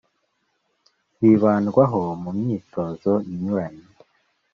Zibandwaho mu myitozo inyuranye